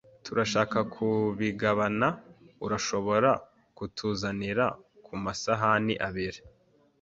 Turashaka kubigabana. Urashobora kutuzanira ku masahani abiri?